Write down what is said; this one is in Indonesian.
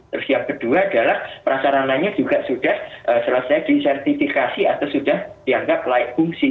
terus yang kedua adalah prasarananya juga sudah selesai disertifikasi atau sudah dianggap layak fungsi